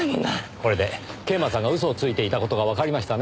これで桂馬さんが嘘をついていた事がわかりましたね。